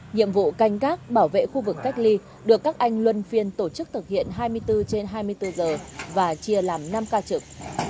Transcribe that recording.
nhiệm vụ canh gác bảo vệ khu vực cách ly được các anh luân phiên tổ chức thực hiện hai mươi bốn trên hai mươi bốn giờ và chia làm năm ca trực